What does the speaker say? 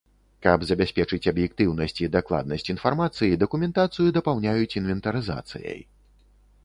Каб забяспечыць аб'ектыўнасць і дакладнасць інфармацыі, дакументацыю дапаўняюць інвентарызацыяй.